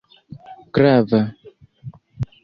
grava